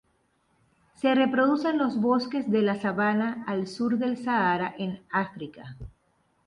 Se reproduce en los bosques de la Sabana al sur del Sahara en África.